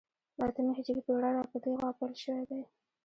له اتمې هجرې پېړۍ را په دې خوا پیل شوی دی